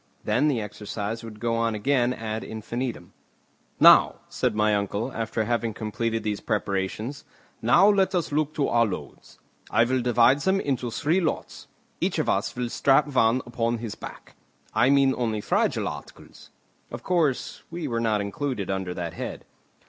Then the exercise would go on again ad infinitum. "Now," said my uncle, after having completed these preparations, "now let us look to our loads. I will divide them into three lots; each of us will strap one upon his back. I mean only fragile articles." Of course, we were not included under that head.